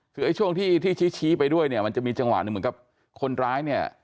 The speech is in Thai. คือไอ้ช่วงที่ชี้ไปด้วยเนี่ยมันจะมีจังหวะหนึ่งเหมือนกับคนร้ายเนี่ย